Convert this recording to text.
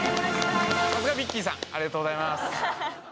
さすがヴィッキーさんありがとうございます。